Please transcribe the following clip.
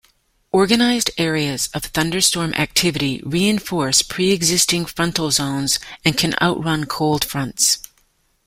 Organized areas of thunderstorm activity reinforce pre-existing frontal zones, and can outrun cold fronts.